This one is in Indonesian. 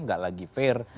gak lagi fair